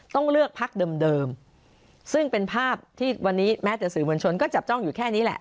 ต้องเลือกพักเดิมซึ่งเป็นภาพที่วันนี้แม้แต่สื่อมวลชนก็จับจ้องอยู่แค่นี้แหละ